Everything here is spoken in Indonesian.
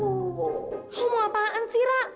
lu mau apaan sih ra